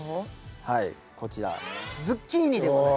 はいこちらお。